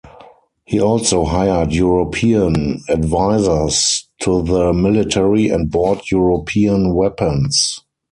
He also hired European advisers to the military and bought European weapons.